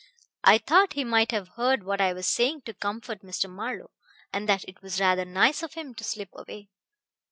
I thought he might have heard what I was saying to comfort Mr. Marlowe, and that it was rather nice of him to slip away.